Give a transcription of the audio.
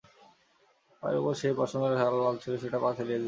পায়ের উপর সেই পশমের শাল ঢাকা ছিল, সেটা পা দিয়া ঠেলিয়া দিল।